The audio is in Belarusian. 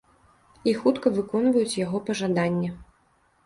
І хутка выконваюць яго пажаданне.